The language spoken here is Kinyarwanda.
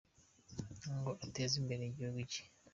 Ngo ateze imbere igihugu cye !